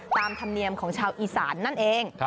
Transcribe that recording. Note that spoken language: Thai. ตามธรรมเนียมของชาวอีสานนั่นเอง